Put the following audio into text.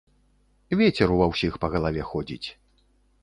Вецер у ва ўсіх па галаве ходзіць.